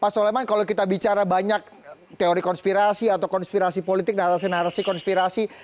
pak soleman kalau kita bicara banyak teori konspirasi atau konspirasi politik narasi narasi konspirasi